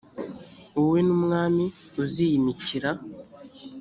wowe n’umwami uziyimikira,